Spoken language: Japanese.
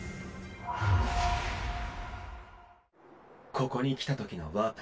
ここに来た時のワープ。